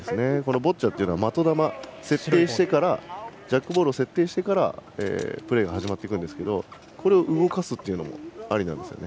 ボッチャというのは、的球ジャックボールを設定してからプレーが始まりますがこれを動かすというのもありなんですよね。